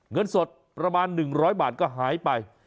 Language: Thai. เงินสดประมาณ๑๐๐บาทก็หายไป